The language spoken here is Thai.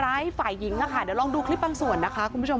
เดี๋ยวไปเจอจักรไปเรื่องแบบนั้นอืมใช่ไหมขอฆ่ากูแบบนั้น